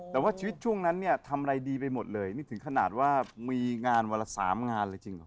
แต่ว่าชีวิตช่วงนั้นเนี่ยทำอะไรดีไปหมดเลยนี่ถึงขนาดว่ามีงานวันละ๓งานเลยจริงเหรอ